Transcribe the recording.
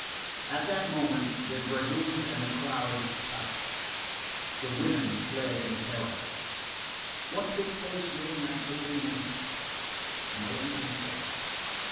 At that moment the dragoons and the crowd touched. The women fled in terror. What took place during that fatal minute? No one can say.